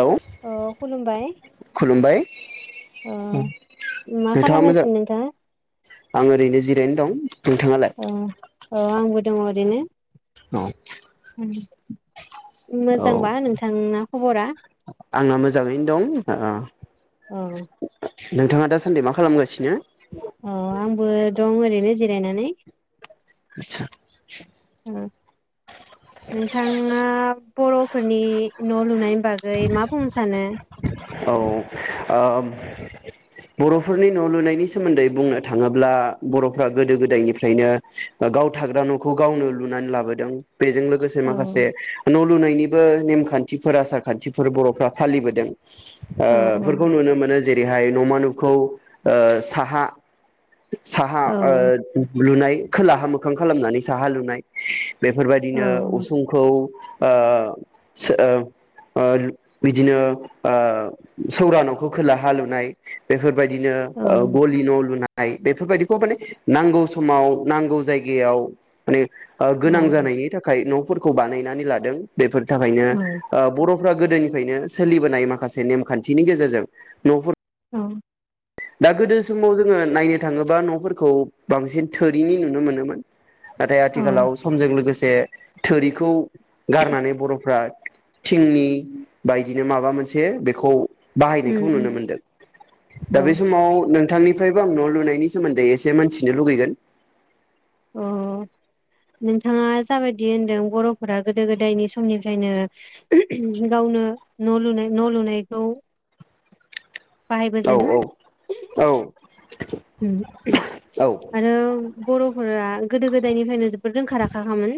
Hello औ खुलुमबाय खुलुमबाय ओ मा नोंथाङा मोजां खालामगासिनो नोंथाङा आं ओरैनो जिरायनो दं। नोंथाङालाय औ औ आंबो दङ ओरैनो। औ उम औ आंना मोजाङैनो दं। ओ औ नोंथाङा दासान्दि मा खालामगासिनो? अ आंबो दं ओरैनो जिरायनानै। आसा ओ नोंथाङा बर'फोरनि न' लुनाय [unintelligible] औ ओ बर'फोरनि न' लुनायनि सोमोन्दै बुंनो थाङोब्ला बर'फ्रा गोदो गोदायनिफ्रायनो गाव थाग्रा न'खौ गावनो लुनानै लाबोदों। बेजों लोगोसे औ माखासे न' लुनायनि बो नेमखान्थिफोरा सार खान्थिफोर बरफ्रा फालिबोदों। ओ औ फोरखौ नुनो मोनो जेरैहाय नमा न' खौ ओ साहा साहा औ ओ लुनाय खोलाहा मोखां खालामनानै साहा लुनाय औ बेफोरबादिनो उसुंखौ ओ सो- ओ ओ बिदिनो ओ सौरा न'खौ खोलाहा लुनाय बेफोर बेबायदिनो औ ओ गलि न' लुनाय बेफोरबादिखौ माने नांगौ समाव नांगौ जायगायाव माने ओ औ गोनां जानायनि थाखाय न'फोरखौ बानाय बानानै लादों बेफोर थाखायनो औ ओ बर' गोदोनिफायनो सोलिबोनाय माखासे नेमखान्थिनि गेजेरजों न'फोर औ दा गोदो समाव जोङो नायनो थाङोबा न'फोरखौ बांसिन थोरिनि नुनो मोनोमोन। नाथाय औ आथिखालाव समजों लोगोसे थोरिखौ गारनानै बर'फ्रा थिंनि बायदिनो माबा मोनसे बेखौ उम बाहायनायखौ नुनो उम मोनदों। दा औ बे समाव नोंथांनिफ्रायबो आं न' लुनायनि सोमोन्दै एसे मोनथिनो लुगैगोन। अ, नोंथाङा जाबादि होनदों बर'फोरा गोदो गोदायनि समनिफ्रायनो गावनो न लुनाय न लुनायखौ बाहायबो औ जेनो औ औ उम औ आरो बर' फोरा गोदो गोदायनिफायनो बेफोर रोंखा राखाखामोन।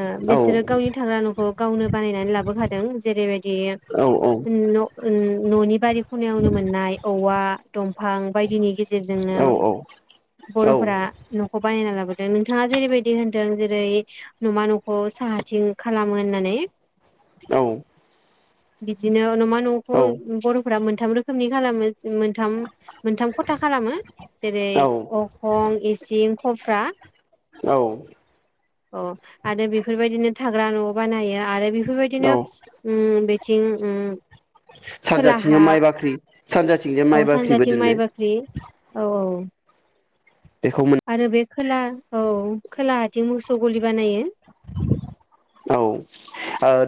ओ औ बिसोरो गावनि थाग्रा नखौ गावनो बानायनानै लाबोखादों जेरैबादि औ ओम न' ओम न'नि बारि खनायावनो मोननाय औवा दंफां बायदिनि। गेजेरजोंनो औ औ बरफोरा नखौ बानायना लाबो नोंथाङा जेरैबायदि होनदों जेरै नमा नखौ साहाथिं खालामो होननानै। औ। बिदिनो अनुमान। न'खौ बरफोरा मोन मोनथाम रोखोमनि खालामो मोनथाम मोन था खालामो जेरै औ अखं इसिं ख [unintelligible] औ। अ आरो बेफोरबायदिनो थाग्रा न'आव बानायो आरो बे औ बेफोरबायदिनो बिथिं सानजाथिंजों खोलाहा माइ बाख्रि सानजाथिंजों माइ बाख्रिबो सानजाथिं दोननो माइबा औ औ। बेखौ मोन आरो बे। खोला औ खोला आथिं मोसौ गलि बानायो। औ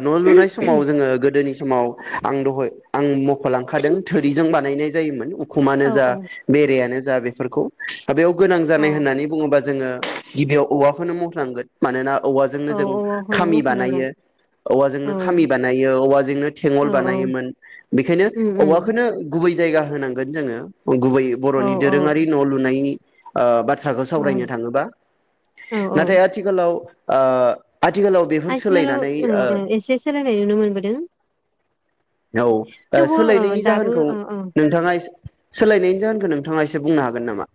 न लुनाय समाव जोङो गोदोनि समाव आं दहय आं ख लांखादों थोरिजों बानायनाय जायोमोन उखुमानो औ जा औ बेरायानो जा। जा बेफोरखौ। बेयाव गोनां औ जानाय होननानै बुङोबा। जोङो गिबियाव औवाखौनो मखनांगोन मानोना। औवाजोंनो औ जों औ औखौनो खामि मख'नांगोन बानायो औ औवाजोंनो खामि बानायो औवाजोंनो औ थेंगल औ बानायोमोन बेनिखायनो उम उम औवाखौनो गुबै। जायगा होनांगोन जोङो। गुबै औ बरनि दोरोङारि न लुनाय आ बा बाथ्राखौ औ सावरायनो थाङोबा औ औ नाथाय आथिखालाव। ओ। आथिखालाव बेफोर आथिखालाव सोलायनानै ओ ओ एसे सोलायनाय नुनो मोनबोदों। औ थेवबो ओ सोलायनायनि दाबो जाहोनखौ ओ ओ नोंथाङा सोलायनायनि जाहोनखौ नों नोंथाङा एसे बुंनो हागोन नामा।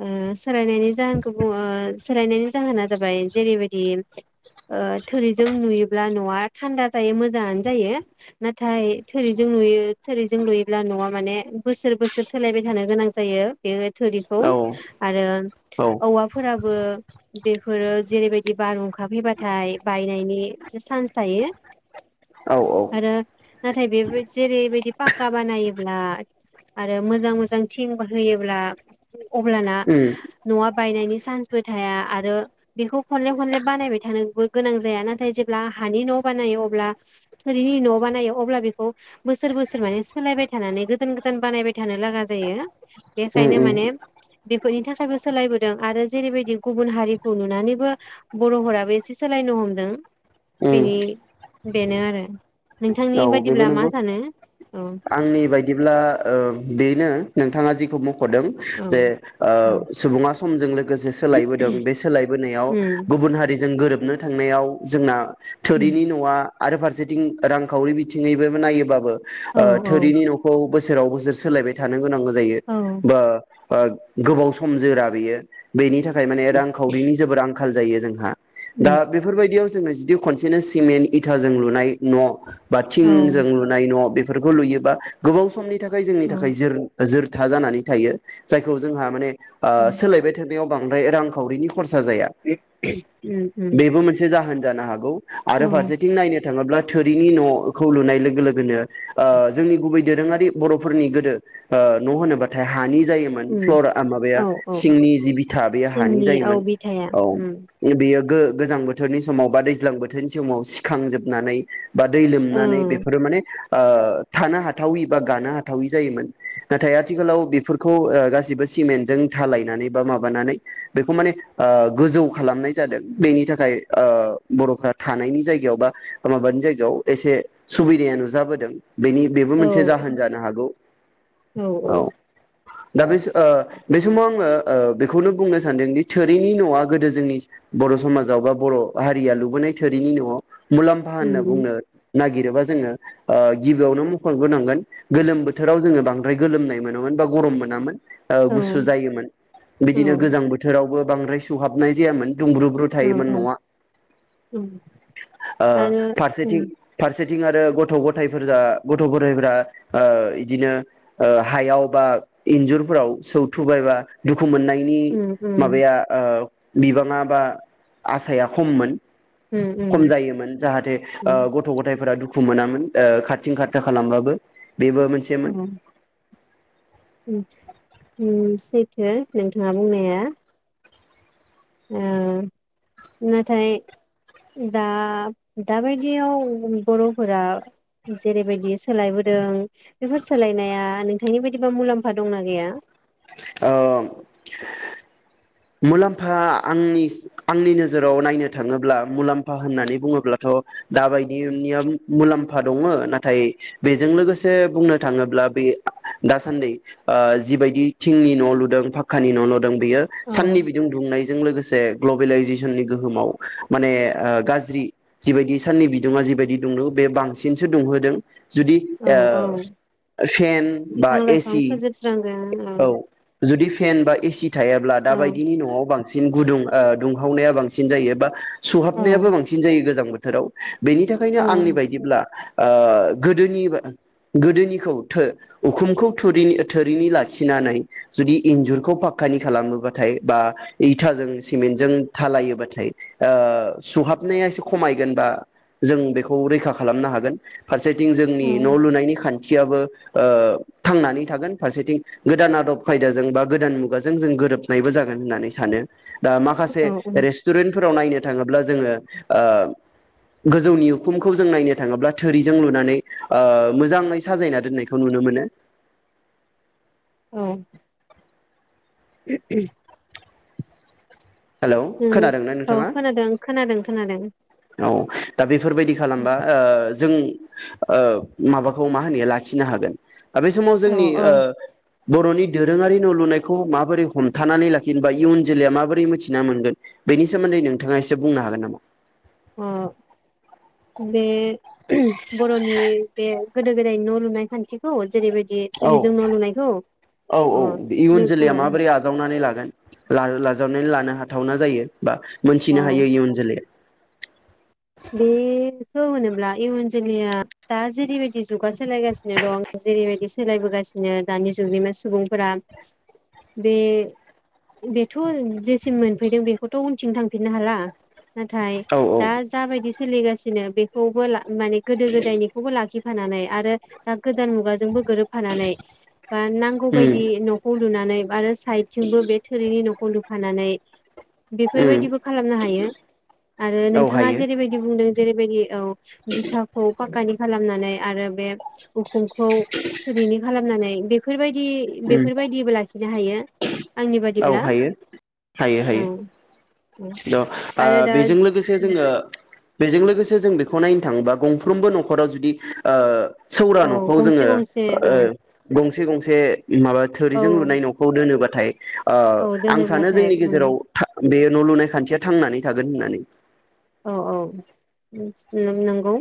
ओ सोलायनायनि जाहोनखौङो ओ सोलायनायनि जाहोना जाबाय जेरैबायदि थोरिजों नुयोब्ला नआ थान्दा जायो मोजाङानो जायो नाथाय थोरिजों नुयो थोरिजों लुयोब्ला नआ माने बोसोर बोसोर सोलायबाय थानो गोनां जायो बे थुरिखौ औ आरो औ औवाफोराबो बेफोरो जेरैबायदि बारहुंखाफैबाथाय बायनायनि एसे चान्स थायो औ औ आरो नाथाय बे जेरैबायदि पाक्का बानायोब्ला आरो मोजां मोजां थिं ब होयोब्ला अब्लाना उम नआ बायनायनि चान्सबो थाया आरो बेखौ खनले खनले बानायबाय थानोबो गोनां जाया नाथाय जेब्ला हानि न बानायो अब्ला थोरिनि न बानायो अब्ला बेखौ बोसोर बोसोर माने सोलायबाय थानानै गोदान गोदान बानायबाय थानो लागा जायो उम बेखायनो उम माने बेफोरनि थाखायबो सोलायबोदों आरो जेरैबायदि गुबुन हारिखौ नुनानैबो बरफोराबो एसे सोलायनो हमदों उम बिनि बेनो आरो नोंथांनि औ बेबो बादिब्ला मा नंगौ सानो औ आंनि बायदिब्ला ओ बेनो नोंथाङा जिखौ मख दों औ जे ओ औ सुबुङा समजों लोगोसे सोलायबोदों बे सोलायबोनायाव उम गुबुन हारिजों गोरोब नो थांनायाव जोंना उम थोरिनि नआ आरो फारसेथिं रां खावरि बिथिङैबो नायोबाबो औ ओ थोरिनि नखौ बोसोराव बोसोर सोलायबाय थानो गोनां जायो औ बा ओ गोबाव सम जोरा बेयो बेनि थाख खाय माने रां खावरिनि जोबोर आं खाल जायो जोंहा दा उम बेफोरबायदियाव जोङो जुदि खनसेनो सिमेन्ट इथाजों लुनाय न बा औ थिंजों लुनाय न बे फोरखौ लुयोबा गोबाव समनि थाखाय थाखाय जोंनि थाखाय उम जोर जोरथा जानानै थायो जायखौ जोंहा माने ओ उम सोलायबाय थानो बेयाव बांद्राय रांखावरिनि खरसा जया उम बेबो मोनसे जाहोन जानो हागौ। औ आरो फारसेथिं नायनो थाङोब्ला थोरिनि न खौ लुनाय लोगो लोगोनो ओ जोंनि गुबै दोरोङारि बरफोरनि गोदो ओ न होनोबाथाय हानि जायोमोन उम फ्लर ओ माबाया औ औ सिंनि जि बिथा बे हानि सिंनि औ जायोमोन बिथाया उम औ बेयो गो-गोजां बोथोरनि समाव बा दैज्लां बोथोरनि समाव सिखांजोबनानै बा दै औ नानै बेफोरो माने ओ थानो हाथावि बा गानो हाथावै जायोमोन नाथाय आथिखालाव बेफोरखौ ओ गासिबो सिमेन्टजों थालायनानै बा माबानानै बेखौ माने ओ गोजौ खालामनाय जादों बेनि थाखाय बर फ्रा थानायनि जायगायाव बा माबानि जायगायाव एसे सुबिदाया नुजाबोदों। बेनि बेबो औ मोनसे जाहोन जानो हागौ। औ दा बे ओ बे समाव आङो ओ बेखौनो बुंनो सानदोंदि थोरिनि न आ गोदो जोंनि बर समाजाव बा बर हारिया लुबोनाय थोरिनि न आव मुलाम्फा होनना उम बुंनो नागिरोबा जोङो आ गिबियावनो मख'नग्रोनांगोन गोलोम बोथोराव जोङो बांद्राय गोलोमनाय मोनामोन बा गरम मोनामोन। ओ गुसु उम जायोमोन औ बिदिनो गोजां बोथोरावबो बांद्राय सुहाबनाय जायामोन। दुंब्रुुब्रु औ थायोमोन औ नआ उम आरो उम फारसेथिं सेथिं आरो गथ गथायफोरजा गथ गथायफोरा ओ इदिनो हायाव बा इन्जुरफोराव सौथुबाय बा दुु खु मोननायनि उम उम माबाया ओ बिबाङा बा आसाया खममोन। खम उम जायोमोन जाहाथे उम ओ उम गथ यफोरा दुखु मोनामोन ओ खारथिं खारथा खालामबाबो। बेबो मोनसेमोन उम उम उम सैथो नोंथाङा बुंनाया। ओ नाथाय दा दाबायदियाव बर फोरा जेरैबायदि सोलायबोदों बेफोर सोलायनाया नोंथांनि बायदिबा मुलाम्फा दंना गैया? ओं मुलाम्फा आंनि आंनि नोजोराव नायनो थाङोब्ला मुलाम्फा होननानै बुङोब्लाथ दाबायदिनिया मुलाम्फा दङ नाथाय बेजों लोगोसे बुंनो थाङोब्ला बे दासान्दि ओ जिबायदि थिंनि न लुदों फाख्कानि न लुदों बेयो औ साननि बिदुं दुंनायजों लोगोसे ग्लबेलाइजेसननि गोहोमाव माने ओ गाज्रि जिबायदि साननि बिदुङा जिबायदि दुंदों बे बांसिनसो दुंहोदों। जुदि ओ औ फेन बा बिफां लाइफां एसि फोजोबस्रांदों औ जुदि फेन बा एसि थायाब्ला दा औ बायदिनि न आव बांसिन गुदुं ओ दुंहावनाया बांसिन जायो बा औ सुहाबनायाबो बांसिन जायो गोजां बोथ थोराव बेनि थाखायनो औ आंनि बायदिब्ला ओ गोदोनि गोदोनिखौ थो उखुमखौ थुरिनि-थोरिनि लाखिनानै जुदि इन्जुरखौ पाखकानि खालामोबा थाय बा इथाजों सिमेन्टजों डालायोबाथाय ओ सुहाबनाया एसे खमायगोनबा जों बेखौ रैखा खालामनो हागोन। फारसेथिं जोंनि औ न लुनायनि खान्थ थियाबो ओ थांनानै थागोन फारसेथिं गोदान आदब खायदाजों बा गोदान मुगाजों जों गोरोब नायबो जागोन होननानै सानो। दा माखासे औ औ उम रेस्टुरेन्टफोराव नायनो थाङोब्ला जोङो ओ गोजौनि उखुमखौ जों नायनो थाङोब्ला थोरिजों लुनानै ओ मोजाङै साजायना दोननायखौ नुनो मोनो। औ। हेलौ खोनादोंना औ नोंथाङा खोनादों खोनादों खोनादों। औ दा बेफोरबायदि खालामबा ओ जों ओ माबाखौ मा होनो लाखिनो हागोन। बे समाव औ जोंनि ओ औ बर' नि दोरोङारि न लुनायखौ माबोरै हमथानानै लाखिनो बा इयुन जोलैया माबोरै मिथिना मोनगोन बेनि सोमोन्दै नोंथाङा एसे बुंनो हागोन नामा। अ बे बर'नि बे गोदो गोदायनि न लुनाय खान्थिखौ जेरैबायदि औ थोरिजों न' लुनायखौ औ अ औ इयुन नों जोलैया अ माबोरै आजावनानै लागोन। लाल लाजावनानै लानो हाथावना जायो। बा मोनथिनो अ हायो इयुन जोलैया। बेखौ होनोब्ला इयुन जोलैया दा जेरैबायदि जुगा सोलायगासिनो दं जेरैबायदि सोलायबोगासिनो दानि जुगनि मा सुबुंफोरा बे-बेथ जेसिम मोनफैदों बेखौथ उनथिं थांफिननो हाला। नाथाय औ औ दास दाबायदि सोलिगासिनो बेखौबो ला माने गोदो गोदायनिखौबो लाखिफानानै आरो दा गोदान मुगाजोंबो। गोरोबफानानै बा नांगौ उम बायदि नखौ लु लुनानै आरोस साइदथिंबो बे थोरिनि न। फलु खानानै। उम बेफोरबायदिबो खालामनो हायो आरो औ नोंथां। बिथाङा हायो जेरैबायदि बुंदों जेरैबायदि औ। बिथाखौ पाक्कानि। खालामनानै आरो बे। उखुमखौ थोरिनि खालामनानै। बेफोरबायदि। टि उम बेफोरबायदिबो लाखिनो हायो आंनि औ बादिब्ला हायो हायो औ। हायो औ द ओ आरो दा बेजों लोगोसे जोङो बेजों लोगोसे जों बेखौ नायनो थाङोबा गंफ्रोमबो नखराव जुदि ओ सौरा औ नखौ गंसे जोङो गंसे ओ औ गं थि गंसे माबा औ थोरिजों लुनाय नखौ दोनोबा थाय ओ औ आं सानो दोनोब्लाथाय जोंनि उम गेजेराव था बेयो न लुनाय खान्थिया थांनानै थागोन होननानै औ औ नंगौ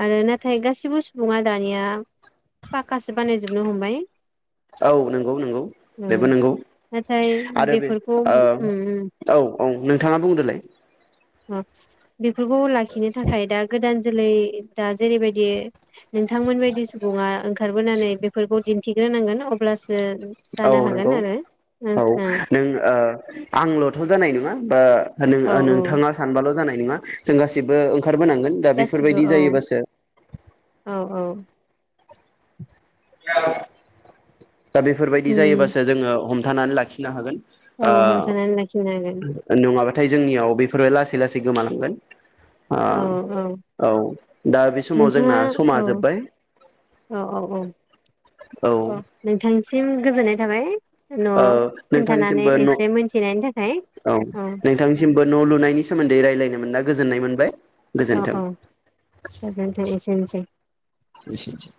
आरो नाथाय गासिबो सुबुङा दानिया पक्कासो बानायजोबनो हमबाय। औ नंगौ नंगौ बेबो उम नंगौ नाथाय आरो बे बेफोरखौ उम उम औ औ नोंथाङा बुंदोलाय [unintelligible] बेफोरखौ लाखिनो थाखाय दा गोदान जोलै दा जेरैबायदि नोंथांमोनबायदि सुबुङा ओंखारबोनानै बेफोरखौ दिन्थिग्रोनांगोन अब्ला स औ नंगौ औ नों आंलथ जानाय नङा बा आ नों औ औ नोंथाङा सानबा ल जानाय नङा जों गासिबबो ओंखारबोनांगोन दा गासिबो बेफोरबायदि औ जायोबासो औ [unintelligible] दा बेफोरबायदि जायोबासो जोङो हम थानानै लाखिनो हागोन औ ओ हमथानानै लाखिनो हागोन। नाथाय जोंनियाव बेफोरो लासै लासै गोमानांगोन। औ दा बे समाव नोंथाङा जोंना औ समा जोब्बाय। औ अ नोंथां। निसिम गोजोननाय थाबाय। न' औ खोन्थानानै नोंथांसिमबो न एसे मोनथिनायनि थाखाय औ नोंथांसिमबो न लुनायनि सोमोन्दै रायज्लायनो मोनना गोजोननाय मोनबाय। औ गोजोन्थों औ जागोनदे एसेनोसै। एसेनोसै